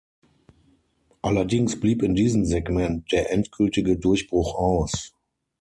Allerdings blieb in diesem Segment der endgültige Durchbruch aus.